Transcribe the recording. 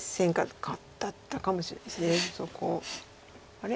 あれ？